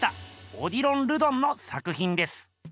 オディロン・ルドンの作ひんです。